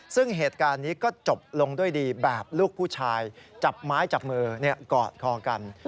ซึ่งเหตุการณ์นี้ก็จบลงด้วยดีแบบลูกผู้ชายจับไม้จับมือกอดคอกัน